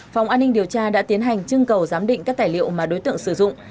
phòng an ninh điều tra đã tiến hành trưng cầu giám định các tài liệu mà đối tượng sử dụng